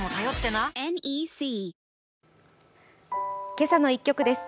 「けさの１曲」です。